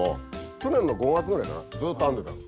去年の５月ぐらいかなずっと編んでたの。